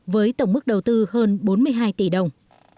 với tổng mức đầu tư hơn bốn mươi hai tỷ đồng